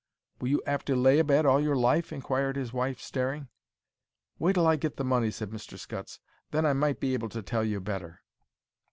"Will you 'ave to lay abed all your life?" inquired his wife, staring. "Wait till I get the money," said Mr. Scutts; "then I might be able to tell you better."